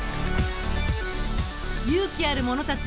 勇気ある者たちよ